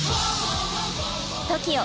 ＴＯＫＩＯ